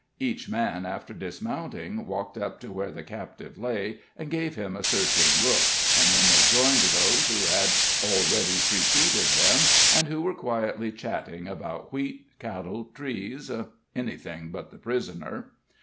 Each man, after dismounting, walked up to where the captive lay, and gave him a searching look, and then they joined those who had already preceded them, and who were quietly chatting about wheat, cattle, trees everything but the prisoner.